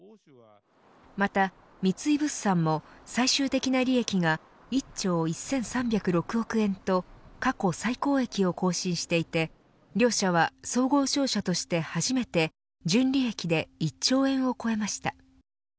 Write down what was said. また三井物産も、最終的な利益が１兆１３０６億円と過去最高益を更新していて両社は総合商社として初めて純利益で１兆円を超えました。